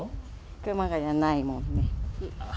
熊谷はないもんね。